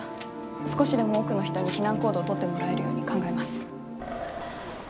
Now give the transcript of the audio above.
少しでも多くの人に避難行動を取ってもらえるように考えます。